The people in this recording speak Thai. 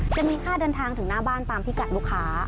จะมีค่าเดินทางถึงหน้าบ้านตามพิกัดลูกค้า